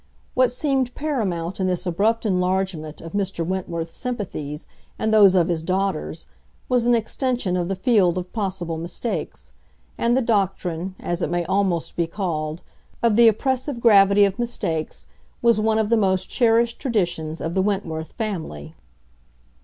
What seemed paramount in this abrupt enlargement of Mr. Wentworth's sympathies and those of his daughters was an extension of the field of possible mistakes; and the doctrine, as it may almost be called, of the oppressive gravity of mistakes was one of the most cherished traditions of the Wentworth family.